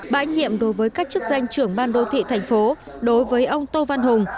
bãi nhiệm đối với các chức danh trưởng ban đô thị thành phố đối với ông tô văn hùng